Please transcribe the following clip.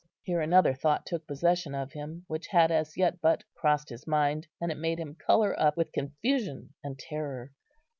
Here another thought took possession of him, which had as yet but crossed his mind, and it made him colour up with confusion and terror.